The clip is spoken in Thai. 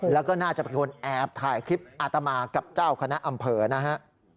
แล้วก็น่าจะเป็นคนแอบถ่ายคลิปอาตมากับเจ้าคณะอำเภอนะฮะ